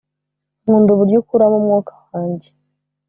nkunda uburyo ukuramo umwuka wanjye.